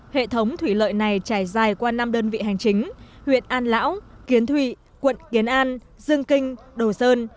hệ thống thủy lợi này trải dài qua năm đơn vị hành chính huyện an lão kiến thụy quận kiến an dương kinh đồ sơn